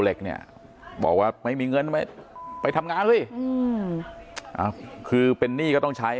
เหล็กเนี่ยบอกว่าไม่มีเงินไม่ไปทำงานสิอืมอ่าคือเป็นหนี้ก็ต้องใช้